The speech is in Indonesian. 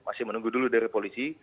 masih menunggu dulu dari polisi